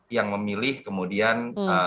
yang memilih kemudian